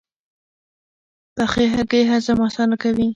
پخې هګۍ هضم اسانه کوي.